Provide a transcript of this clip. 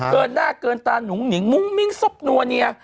เกิดหน้าเกิดตาหนุงหลิงมุ่งมิ่งสบนวเนีย